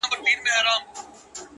• هغه نن بيا د واويلا خاوند دی،